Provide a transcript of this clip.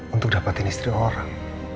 untuk dapetin istri orang